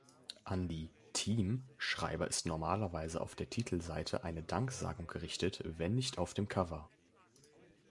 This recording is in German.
An die „Team“ -Schreiber ist normalerweise auf der Titelseite eine Danksagung gerichtet, wenn nicht auf dem Cover.